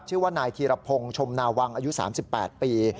ชื่อว่านายธีรพงศ์ชมนาวังอายุ๓๘ปี